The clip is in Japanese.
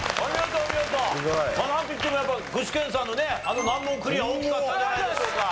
なんといってもやっぱ具志堅さんのねあの難問クリア大きかったんじゃないでしょうか。